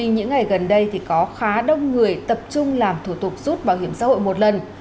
những ngày gần đây có khá đông người tập trung làm thủ tục rút bảo hiểm xã hội một lần